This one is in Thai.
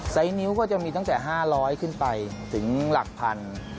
นิ้วก็จะมีตั้งแต่๕๐๐ขึ้นไปถึงหลักพัน